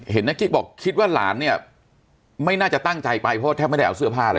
นักกิ๊กบอกคิดว่าหลานเนี่ยไม่น่าจะตั้งใจไปเพราะว่าแทบไม่ได้เอาเสื้อผ้าแล้ว